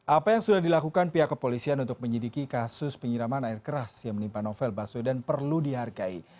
apa yang sudah dilakukan pihak kepolisian untuk menyidiki kasus penyiraman air keras yang menimpa novel baswedan perlu dihargai